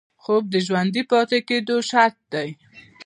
خوب د ژوندي پاتې کېدو شرط دی